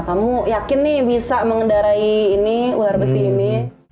kamu yakin nih bisa mengendarai ini ular besi ini